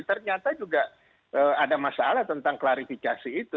ternyata juga ada masalah tentang klarifikasi itu